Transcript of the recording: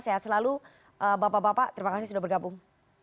sehat selalu bapak bapak terima kasih sudah bergabung